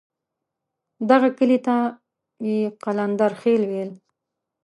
دغه کلي ته یې قلندرخېل ویل.